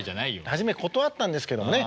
初め断ったんですけどね